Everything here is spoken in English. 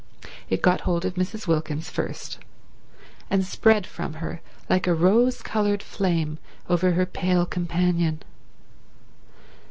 It got hold of Mrs. Wilkins first, and spread from her like a rose coloured flame over her pale companion.